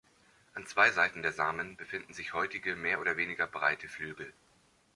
An zwei Seiten der Samen befinden sich häutige, mehr oder weniger breite Flügel.